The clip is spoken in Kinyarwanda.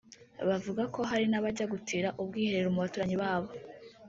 bavuga ko hari n’abajya gutira ubwiherero mu baturanyi babo